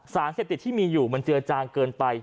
สารเสพติดที่มีอยู่มันเจือจางเกินไป